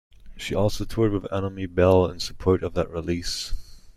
She also toured with Anomie Belle in support of that release.